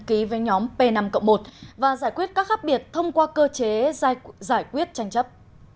ký với nhóm p năm một và giải quyết các khác biệt thông qua cơ chế giải quyết tranh chấp